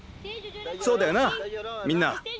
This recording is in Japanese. そうだよなみんな？